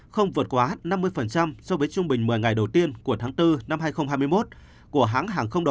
không vượt quá năm mươi so với trung bình một mươi ngày đầu tiên của tháng bốn năm hai nghìn hai mươi một của hãng hàng không